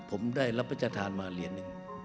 ผมได้รับประจภาษณ์มาเหรียญ